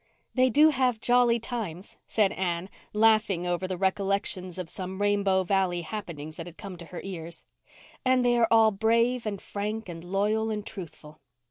"They do have jolly times," said Anne, laughing over the recollections of some Rainbow Valley happenings that had come to her ears. "And they are all brave and frank and loyal and truthful."